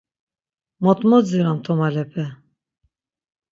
Mot motziram tomalepe!